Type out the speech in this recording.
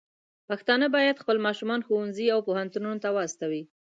پښتانه بايد خپل ماشومان ښوونځي او پوهنتونونو ته واستوي.